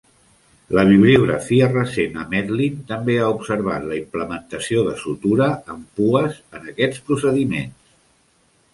La bibliografia recent a Medline, també ha observat la implementació de sutura amb pues en aquests procediments.